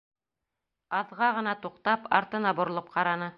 Аҙға ғына туҡтап, артына боролоп ҡараны.